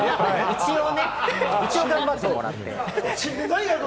一応、頑張ってもらって。